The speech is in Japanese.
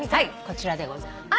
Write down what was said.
こちらでございます。